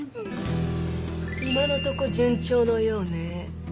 今のとこ順調のようね。